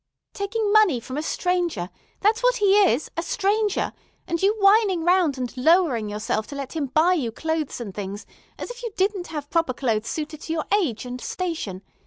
"Taking money from a stranger,—that's what he is, a stranger,—and you whining round and lowering yourself to let him buy you clothes and things, as if you didn't have proper clothes suited to your age and station.